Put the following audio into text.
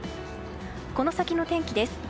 この先の天気です。